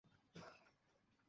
তুমি তো বাচ্চাই, বাবু।